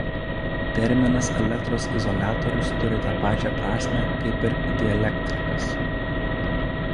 Terminas elektros izoliatoriaus turi tą pačią prasmę kaip ir dielektrikas.